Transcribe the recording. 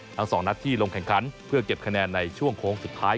ทั้งสองนัดที่ลงแข่งขันเพื่อเก็บคะแนนในช่วงโค้งสุดท้าย